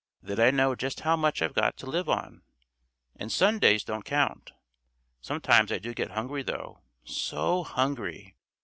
Then I know just how much I've got to live on, and Sundays don't count. Sometimes I do get hungry though, so hungry!